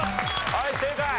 はい正解！